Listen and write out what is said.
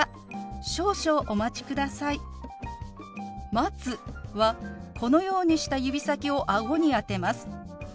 「待つ」はこのようにした指先を顎に当てます。